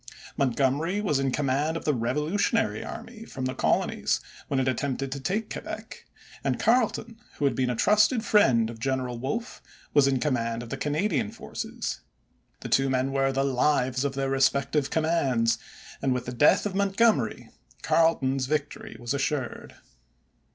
Montgomery was in command of the Revolutionary Army from the Colonies, when it attempted to take Quebec, and Carleton, who had been a trusted friend of General Wolfe, was in command of the Canadian forces. The two men were the lives of their respective commands, and with the death of Montgomery Carleton's victory was assured.